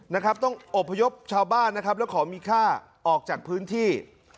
นะครับต้องอบพยพชาวบ้านนะครับแล้วขอมีค่าออกจากพื้นที่